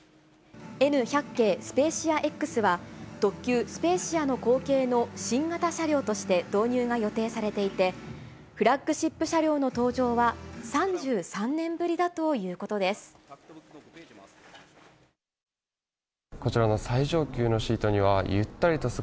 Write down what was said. Ｎ１００系スペーシアＸは、特急スペーシアの後継の新型車両として導入が予定されていて、フラッグシップ車両の登場は３３年ぶりだということです。